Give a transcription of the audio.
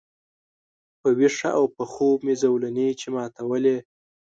په ویښه او په خوب مي زولنې چي ماتولې